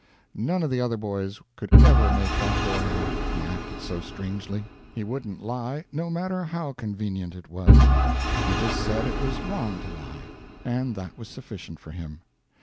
None of the other boys could ever make that boy out, he acted so strangely. He wouldn't lie, no matter how convenient it was. He just said it was wrong to lie, and that was sufficient for him.